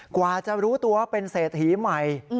กว่าจะรู้ตัวเป็นเศษหิหมาย